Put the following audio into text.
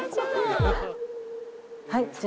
はい。